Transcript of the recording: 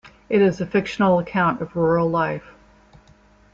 It is a fictional account of rural life.